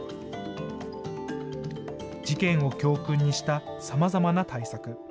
事件を教訓にしたさまざまな対策。